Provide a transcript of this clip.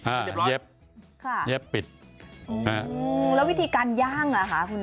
อูฮูแล้ววิธีการย่างค่ะครับ